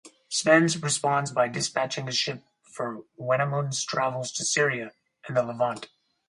Smendes responds by dispatching a ship for Wenamun's travels to Syria and the Levant.